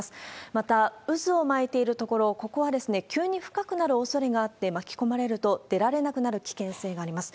また、渦を巻いている所、ここは急に深くなるおそれがあって、巻き込まれると出られなくなる危険性があります。